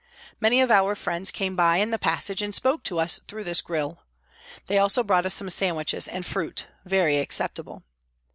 Many of our friends came by in the passage and spoke to us through this grille. They also brought us some sandwiches and fruit very acceptable.